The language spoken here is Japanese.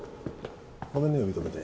ごめんね呼び止めて。